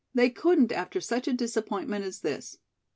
They couldn't after such a disappointment as this.